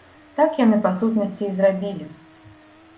Так яны па сутнасці і зрабілі.